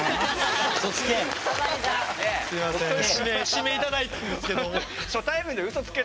指名頂いたんですけど。